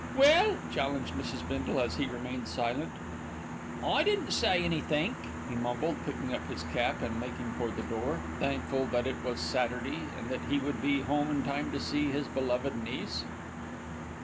"Well!" challenged Mrs. Bindle, as he remained silent. "I didn't say anythink," he mumbled, picking up his cap and making for the door, thankful that it was Saturday, and that he would be home in time to see his beloved niece.